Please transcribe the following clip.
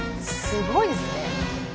すごいですね。